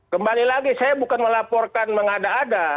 kembali lagi saya bukan melaporkan mengada ada